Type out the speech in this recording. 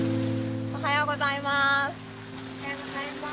おはようございます。